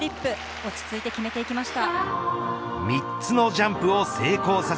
落ち着いて決めてきました。